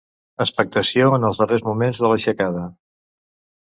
Expectació en els darrers moments de l'aixecada.